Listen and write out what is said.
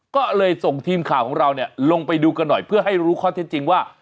ก็เลยส่งทีมข่าวของเราเนี่ยลงไปดูกันหน่อยเพื่อให้รู้ข้อเท็จจริงว่า